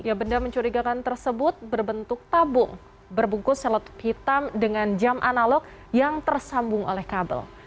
ya benda mencurigakan tersebut berbentuk tabung berbungkus seletup hitam dengan jam analog yang tersambung oleh kabel